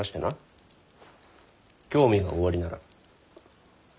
興味がおありなら。